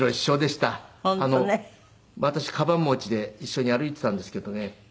私カバン持ちで一緒に歩いていたんですけどね